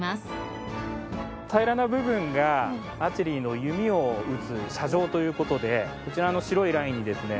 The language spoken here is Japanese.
平らな部分がアーチェリーの弓を撃つ射場という事でこちらの白いラインにですね